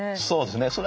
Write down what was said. そうですね。